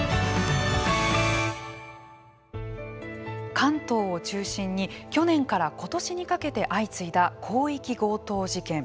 関東を中心に去年から今年にかけて相次いだ、広域強盗事件。